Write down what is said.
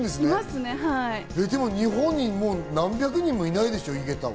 日本に何百人もいないでしょ、井桁は。